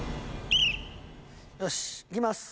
よしいきます。